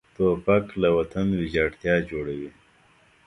توپک له وطن ویجاړتیا جوړوي.